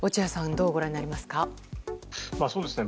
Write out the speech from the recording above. どうご覧になりますか？